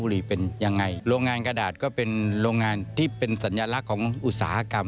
เป็นยังไงโรงงานกระดาษก็เป็นโรงงานที่เป็นสัญลักษณ์ของอุตสาหกรรม